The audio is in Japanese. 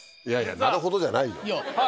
いやいや「なるほど」じゃないよ。